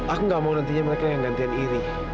aku gak mau nantinya mereka yang gantian iri